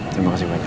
terima kasih banyak